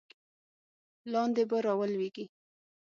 لاندې به را ولویږې.